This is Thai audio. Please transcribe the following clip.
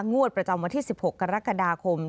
งวดประจำวันที่๑๖กรกฎาคม